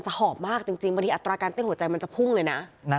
หอบมากจริงบางทีอัตราการเต้นหัวใจมันจะพุ่งเลยนะ